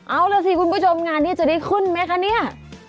เอาล่ะสิคุณผู้ชมงานนี้จะได้ขึ้นไหมคะเนี่ย